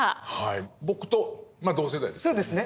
僕と同世代ですね。